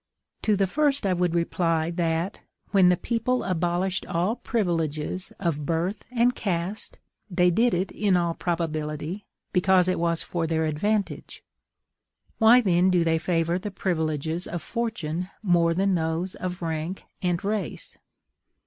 To the first I would reply that, when the people abolished all privileges of birth and caste, they did it, in all probability, because it was for their advantage; why then do they favor the privileges of fortune more than those of rank and race?